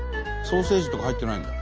ソーセージとか入ってないんだ。